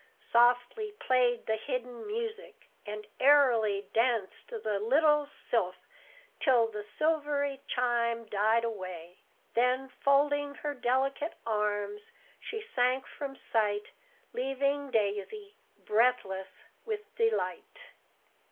Softly played the hidden music, and airily danced the little sylph till the silvery chime died away; then, folding her delicate arms, she sank from sight, leaving Daisy breathless with delight.